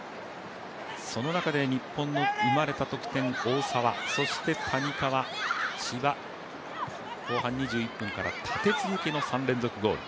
その中で日本に生まれた得点、大澤谷川、千葉後半２１分から立て続けの３連続ゴール。